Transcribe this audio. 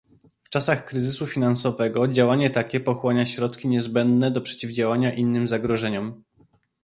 W czasach kryzysu finansowego działanie takie pochłania środki niezbędne do przeciwdziałania innym zagrożeniom